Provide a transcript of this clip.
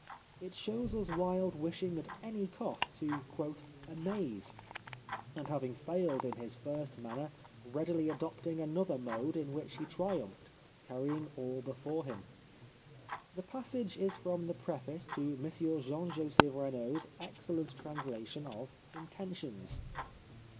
It shows us Wilde wishing at any cost to " amaze," and having failed in his first manner readily adopting another mode in which he triumphed, carrying all before him. The passage is from the preface to Monsieur Jean Joseph Renaud's excellent translation of " Intentions."